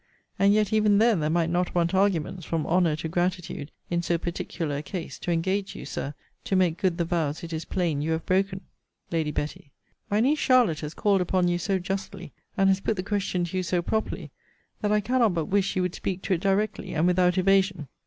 And yet, even then, there might not want arguments, from honour to gratitude, in so particular a case, to engage you, Sir, to make good the vows it is plain you have broken. Lady Betty. My niece Charlotte has called upon you so justly, and has put the question to you so properly, that I cannot but wish you would speak to it directly, and without evasion.